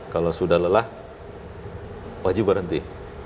kalau sudah lelah wajib berhenti